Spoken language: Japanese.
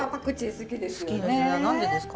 好きですね。